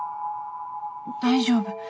大丈夫。